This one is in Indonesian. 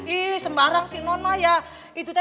i sembarang simul